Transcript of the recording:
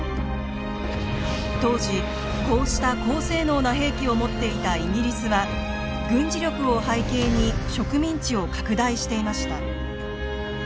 当時こうした高性能な兵器を持っていたイギリスは軍事力を背景に植民地を拡大していました。